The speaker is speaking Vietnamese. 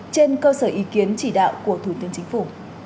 trên cơ sở ý kiến chỉ đạo của thủ tướng chính phủ